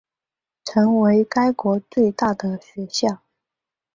成为该国最大的学校。